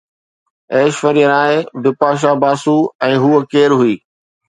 ايشوريا راءِ بپاشا باسو ۽ هوءَ ڪير هئي؟